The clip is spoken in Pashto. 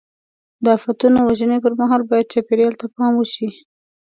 د آفتونو وژنې پر مهال باید چاپېریال ته پام وشي.